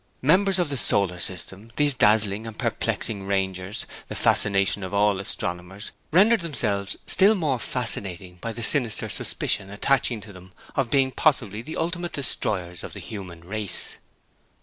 Members of the solar system, these dazzling and perplexing rangers, the fascination of all astronomers, rendered themselves still more fascinating by the sinister suspicion attaching to them of being possibly the ultimate destroyers of the human race.